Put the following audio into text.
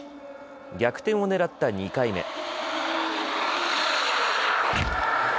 逆転をねらった２回目。